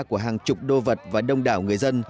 của hàng chục đô vật và đông đảo người dân